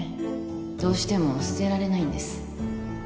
どうしても捨てられないんです